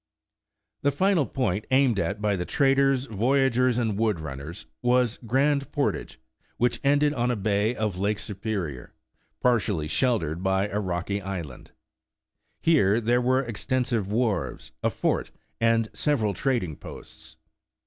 The final point aimed at by the traders, voyageurs, and wood runners, was Grand Portage, which ended on a bay of Lake Superior, partially sheltered by a rocky island. Here there were extensive wharves, a fort, and several trading posts.